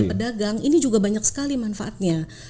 dan bagi pedagang ini juga banyak sekali manfaatnya